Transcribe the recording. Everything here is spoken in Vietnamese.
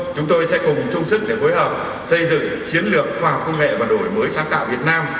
chúng tôi sẽ cùng chung sức để phối hợp xây dựng chiến lược khoa học công nghệ và đổi mới sáng tạo việt nam